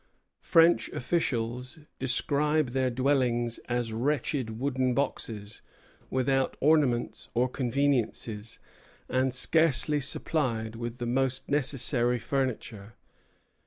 French officials describe their dwellings as wretched wooden boxes, without ornaments or conveniences, and scarcely supplied with the most necessary furniture.